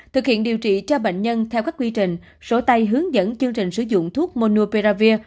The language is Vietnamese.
thực hiện điều trị cho bệnh nhân theo các quy trình sổ tay hướng dẫn chương trình sử dụng thuốc monopearavir